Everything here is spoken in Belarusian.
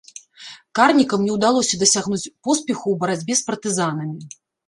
Карнікам не ўдалося дасягнуць поспеху ў барацьбе з партызанамі.